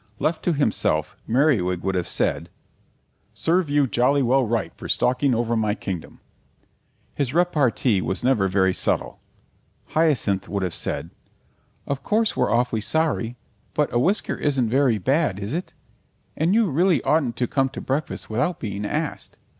Left to himself, Merriwig would have said, "Serve you jolly well right for stalking over my kingdom." His repartee was never very subtle. Hyacinth would have said, "Of course we're awfully sorry, but a whisker isn't very bad, is it? and you really oughtn't to come to breakfast without being asked."